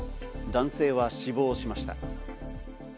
男性は死亡しました。